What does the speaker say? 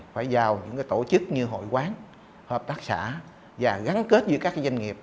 phải vào những tổ chức như hội quán hợp tác xã và gắn kết với các doanh nghiệp